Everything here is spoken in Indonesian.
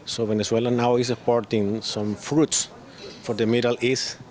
jadi venezuela sekarang menawarkan beberapa buah untuk tengah tengah